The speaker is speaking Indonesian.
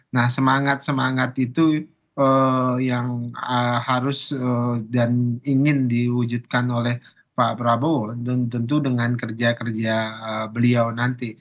nah semangat semangat itu yang harus dan ingin diwujudkan oleh pak prabowo tentu dengan kerja kerja beliau nanti